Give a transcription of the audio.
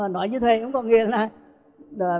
nói như thế có nghĩa là